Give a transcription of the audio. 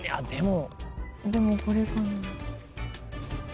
でもこれかな。